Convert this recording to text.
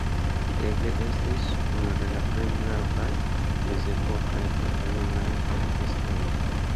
Li eble estis unu el la plej gravaj mezepokaj katalunaj verkistoj.